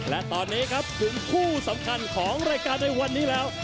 และตอนนี้ครับถึงคู่สำคัญของรายการในวันนี้แล้ว